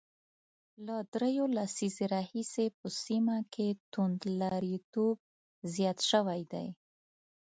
له درېو لسیزو راهیسې په سیمه کې توندلاریتوب زیات شوی دی